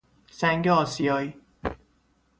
سنگ آسیای